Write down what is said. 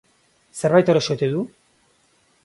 Zerbait erosi ote du?